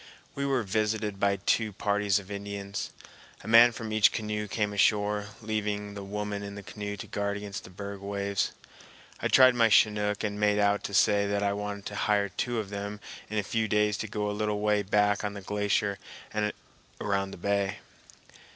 We were visited by two parties of Indians. A man from each canoe came ashore, leaving the women in the canoe to guard against the berg waves. I tried my Chinook and made out to say that I wanted to hire two of them in a few days to go a little way back on the glacier and around the bay.